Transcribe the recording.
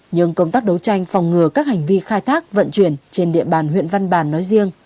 nhưng công tác đấu tranh phòng ngừa các hành vi khai thác vận chuyển trên địa bàn huyện văn bàn nói riêng